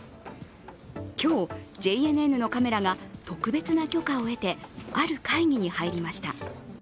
今日ＪＮＮのカメラが特別な許可を得て、ある会議に入りました。